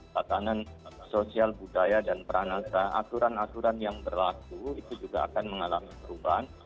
tatanan sosial budaya dan peranasa aturan aturan yang berlaku itu juga akan mengalami perubahan